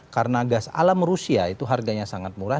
karena gas alam rusia itu harganya sangat murah